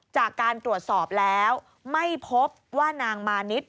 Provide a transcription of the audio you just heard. จากการตรวจสอบแล้วไม่พบว่านางมานิด